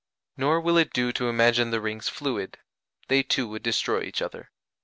Nor will it do to imagine the rings fluid; they too would destroy each other.